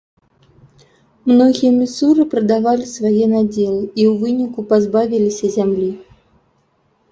Многія місуры прадавалі свае надзелы і ў выніку пазбавіліся зямлі.